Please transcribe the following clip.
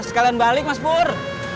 sekalian balik mas pur